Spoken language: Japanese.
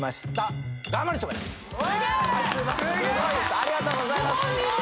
ありがとうございますご本人だ！